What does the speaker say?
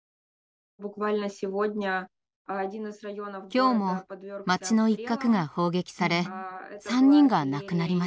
今日も町の一角が砲撃され３人が亡くなりました。